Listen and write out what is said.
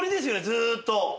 ずっと。